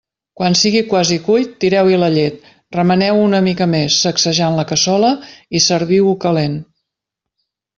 Quan sigui quasi cuit, tireu-hi la llet, remeneu-ho una mica més, sacsejant la cassola, i serviu-ho calent.